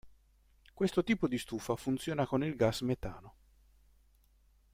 Questo tipo di stufa funziona con il gas metano.